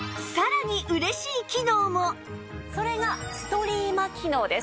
それがストリーマ機能です。